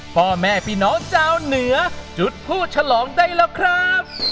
พ่อแม่พี่น้องชาวเหนือจุดผู้ฉลองได้แล้วครับ